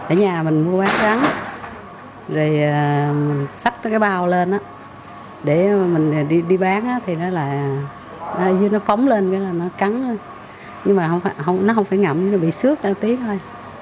ở nhà mình mua rắn rồi xách cái bao lên để mình đi bán thì nó là như nó phóng lên nó cắn nhưng mà nó không phải ngẩm nó bị xước tiếc thôi